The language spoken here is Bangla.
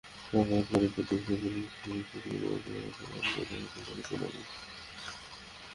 সাক্ষাৎকার দুটিতে পেশাজীবনের পাশাপাশি ব্যক্তিগত জীবনের অজানা নানা অধ্যায়ের কথা জানিয়েছেন রবিন।